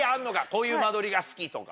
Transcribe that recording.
こういう間取りが好きとか。